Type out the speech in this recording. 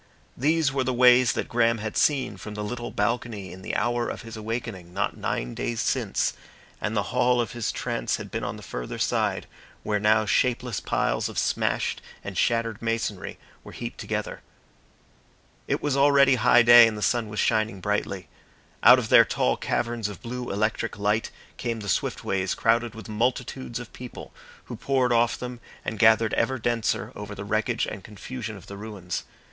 These were the ways that Graham had seen from the little balcony in the hour of his awakening, not nine days since, and the hall of his Trance had been on the further side, where now shapeless piles of smashed and shattered masonry were heaped together. It was already high day and the sun was shining brightly. Out of their tall caverns of blue electric light came the swift ways crowded with multitudes of people, who poured off them and gathered ever denser over the wreckage and confusion of the ruins.